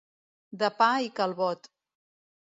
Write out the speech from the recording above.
De pa i calbot.